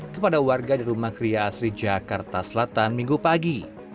kepada warga di rumah kria asri jakarta selatan minggu pagi